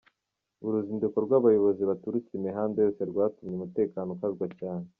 Uruzinduko rw’aba bayobozi baturutse imihanda yose rwatumye umutekano ukazwa cyane.